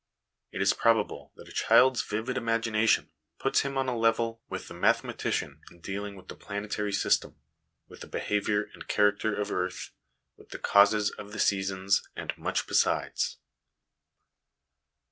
It is probable that a child's vivid imagination puts him on a level with the mathematician in dealing with the planetary system, with the behaviour and character of Earth, with the causes of the seasons, and much besides.